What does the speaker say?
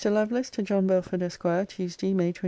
LOVELACE, TO JOHN BELFORD, ESQ. TUESDAY, MAY 23.